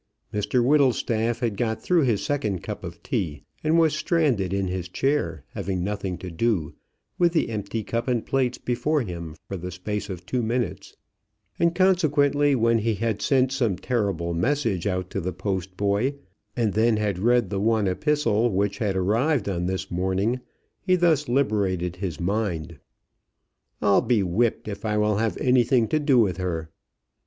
Mr Whittlestaff had got through his second cup of tea, and was stranded in his chair, having nothing to do, with the empty cup and plates before him for the space of two minutes; and, consequently, when he had sent some terrible message out to the post boy, and then had read the one epistle which had arrived on this morning, he thus liberated his mind: "I'll be whipped if I will have anything to do with her."